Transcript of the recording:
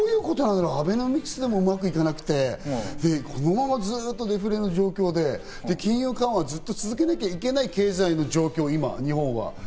アベノミクスでもうまくいかなくて、デフレの状況で金融緩和をずっと続けなきゃいけない経済の状況、今、日本は。